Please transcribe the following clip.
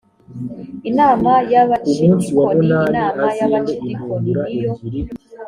inama y abacidikoni inama y abacidikoni niyo